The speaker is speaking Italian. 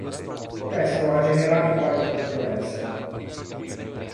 Questo ha generato qualche controversia.